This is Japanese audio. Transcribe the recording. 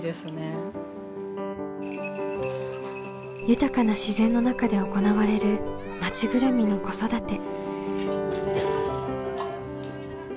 豊かな自然の中で行われる町ぐるみの子育て。